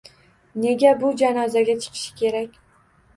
Nega bu janozaga chiqishi kerak?